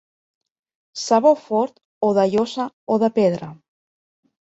Sabó fort o de llosa o de pedra.